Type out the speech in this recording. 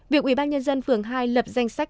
việc ubnd phường hai lập danh sách